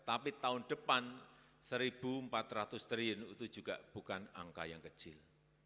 tapi tahun depan rp satu empat ratus triliun itu juga bukan angka yang kecil